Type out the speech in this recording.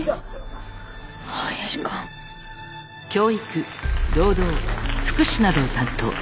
教育労働福祉などを担当。